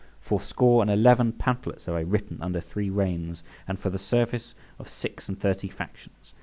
Fourscore and eleven pamphlets have I written under three reigns, and for the service of six and thirty factions.